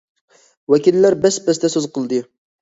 ۋەكىللەر بەس- بەستە سۆز قىلدى.